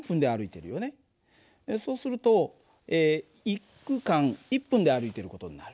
そうすると１区間１分で歩いてる事になる。